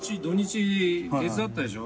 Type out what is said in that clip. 手伝ったでしょ？